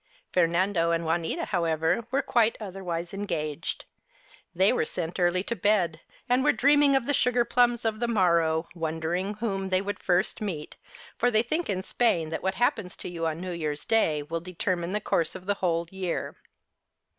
Fernando and Juanita, however, were quite The Holidays 57 otherwise engaged. They were sent early to bed and were dreaming of the sugar plums of the morrow, wondering whom they would first meet, for they think in Spain that what hap pens to you on New Year's Day will determine the course of the whole year.